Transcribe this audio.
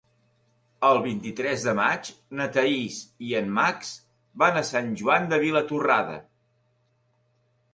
El vint-i-tres de maig na Thaís i en Max van a Sant Joan de Vilatorrada.